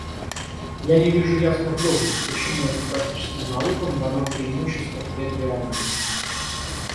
Я не вижу ясных доводов, почему классическим наукам дано преимущество пред реальными.